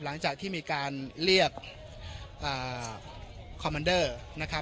หลังจากที่มีการเรียกคอมมันเดอร์นะครับ